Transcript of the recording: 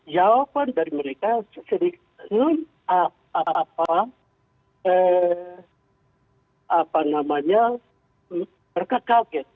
jawaban dari mereka sedikit apa namanya mereka kaget